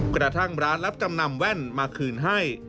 กระทั่งร้านรับจำนำแว่นมาคืนให้